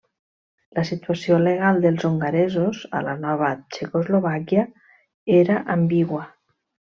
La situació legal dels hongaresos a la nova Txecoslovàquia era ambigua.